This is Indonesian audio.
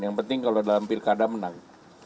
yang penting kalau dalam pilkada menang